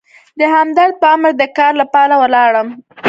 د همدرد په امر د کار لپاره ولاړم.